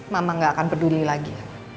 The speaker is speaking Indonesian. mama gak akan peduli lagi